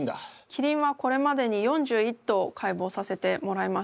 キリンはこれまでに４１頭解剖させてもらいました。